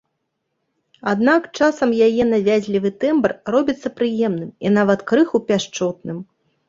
Аднак часам яе навязлівы тэмбр робіцца прыемным і нават крыху пяшчотным.